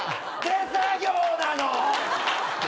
手作業なの？